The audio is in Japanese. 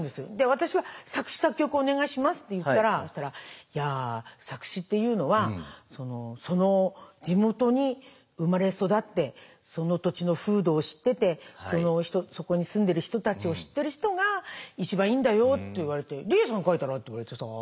私は「作詞作曲をお願いします」って言ったら「いや作詞っていうのはその地元に生まれ育ってその土地の風土を知っててそこに住んでる人たちを知ってる人が一番いいんだよ」って言われて「理恵さん書いたら？」って言われてさ